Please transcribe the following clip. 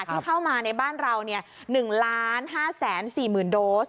ที่เข้ามาในบ้านเรา๑๕๔๐๐๐โดส